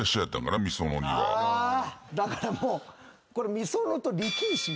だからもう。